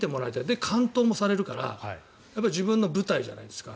で、完投もされるから自分の舞台じゃないですか。